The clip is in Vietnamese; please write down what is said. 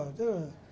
chúng tôi hài nồng